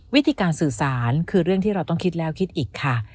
วิธีการสื่อสารคือเรื่องที่เราต้องคิดแล้วคิดอีกค่ะ